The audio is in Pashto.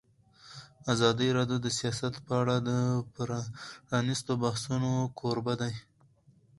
ازادي راډیو د سیاست په اړه د پرانیستو بحثونو کوربه وه.